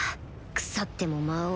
腐っても魔王